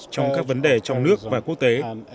trong các vấn đề trong nước và quốc tế